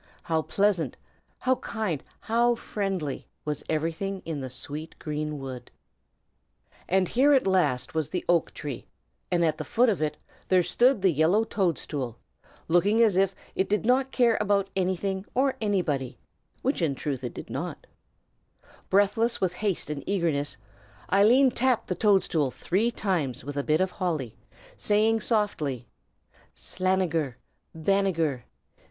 How pleasant, how kind, how friendly was everything in the sweet green wood! And here at last was the oak tree, and at the foot of it there stood the yellow toadstool, looking as if it did not care about anything or anybody, which in truth it did not: Breathless with haste and eagerness, Eileen tapped the toadstool three times with a bit of holly, saying softly, "Slanegher Banegher!